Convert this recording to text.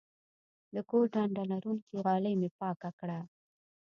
د کور ډنډه لرونکې غالۍ مې پاکه کړه.